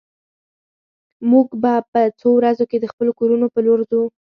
موږ به په څو ورځو کې د خپلو کورونو په لور ځو